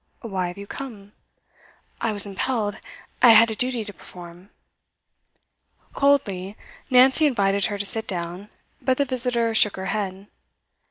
'Why have you come?' 'I was impelled I had a duty to perform.' Coldly, Nancy invited her to sit down, but the visitor shook her head.